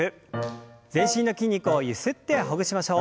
全身の筋肉をゆすってほぐしましょう。